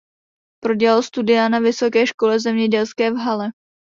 Prodělal studia na vysoké škole zemědělské v Halle.